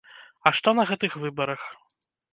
А што на гэтых выбарах?